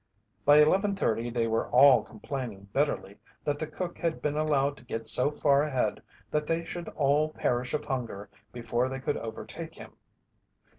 By eleven thirty they were all complaining bitterly that the cook had been allowed to get so far ahead that they should all perish of hunger before they could overtake him.